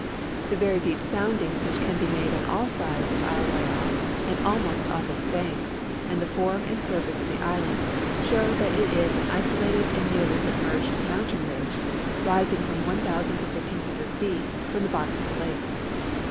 The very deep soundings which can be made on all sides of Isle Royal and almost off its banks and the form and surface of the island show that it is an isolated and nearly submerged mountain ridge, rising from 1,000 to 1,500 feet from the l)ottom of the lake.